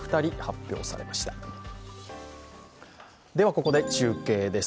ここで中継です。